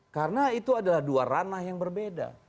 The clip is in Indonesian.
karena itu adalah dua ranah yang berbeda